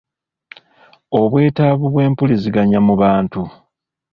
Obwetaavu bw’empuliziganya mu bantu